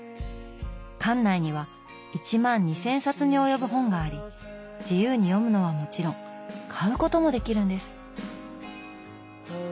館内には１万２，０００冊に及ぶ本があり自由に読むのはもちろん買うこともできるんです。